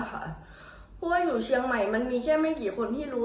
เพราะว่าอยู่เชียงใหม่มันมีแค่ไม่กี่คนที่รู้